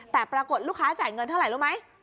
แต่ปรากฏลูกค้าจ่ายเงินเท่าไหร่รู้ไหม